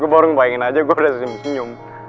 gue baru ngebayangin aja gue udah senyum senyum